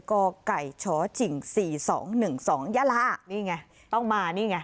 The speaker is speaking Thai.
กไก่ชจิ่งสี่สองหนึ่งสองยาลานี่ไงต้องมานี่ไง